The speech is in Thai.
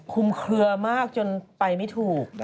เคลือมากจนไปไม่ถูก